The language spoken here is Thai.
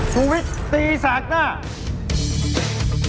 สวิตช์ตีสากหน้า